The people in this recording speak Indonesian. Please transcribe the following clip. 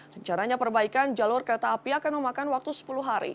rencananya perbaikan jalur kereta api akan memakan waktu sepuluh hari